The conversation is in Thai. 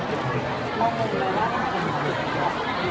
การรับความรักมันเป็นอย่างไร